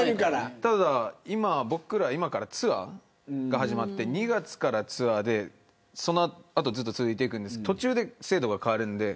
ただ、今、僕ら今からツアーが始まって２月からツアーで、その後ずっと続いていくんですけど途中で制度が変わるんで。